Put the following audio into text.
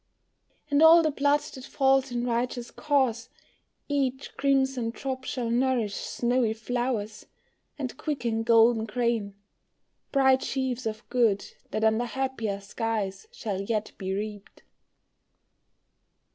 "And all the blood that falls in righteous cause, Each crimson drop shall nourish snowy flowers And quicken golden grain, bright sheaves of good, That under happier skies shall yet be reaped.